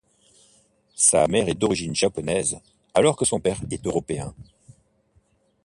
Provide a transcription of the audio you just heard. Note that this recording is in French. Sa mère est d'origine japonaise alors que son père est européen.